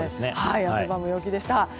汗ばむ陽気でしたね。